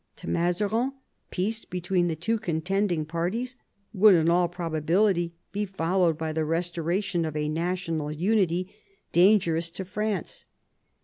To Mazarin peace between the two contending parties would in all probability be followed by the restoration of a national unity dangerous to France.